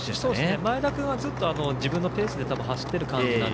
前田君はずっと自分のペースで走っている感じで。